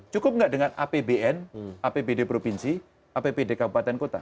cukup nggak dengan apbn apbd provinsi apbd kabupaten kota